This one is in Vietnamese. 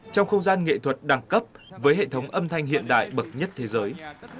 trong không gian nghệ thuật đẳng cấp với hệ thống âm thanh hiện đại bậc nhất thế giới